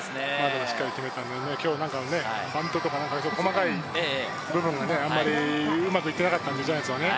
しっかり決めたので、今日、なんかバントとか、細かい部分があんまりうまくいってなかったんでね、ジャイアンツは。